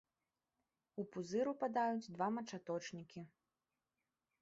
У пузыр упадаюць два мачаточнікі.